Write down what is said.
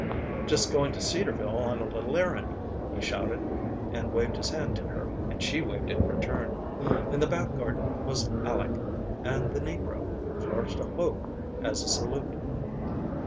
"Just going to Cedarville on a little errand," he shouted, and waved his hand to her, and she waved in return. In the back garden was Aleck, and the negro, flourished a hoe as a salute.